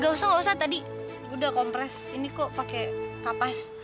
gak usah gak usah tadi udah kompres ini kok pakai kapas